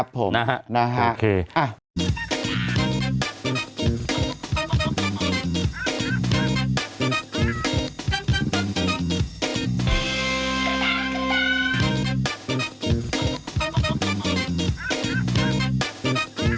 ครับผมนะฮะนะฮะโอเคอ่ะ